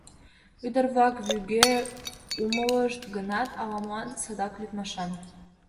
Ӱдыр-влак вӱге умылышт гынат, ала-молан садак лӱдмашан.